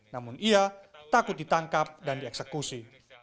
namun ia takut ditangkap dan dieksekusi